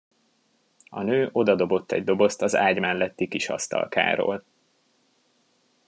A nő odadobott egy dobozt az ágy melletti kis asztalkáról.